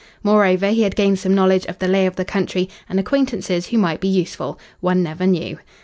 Moreover, he had gained some knowledge of the lay of the country and acquaintances who might be useful. One never knew.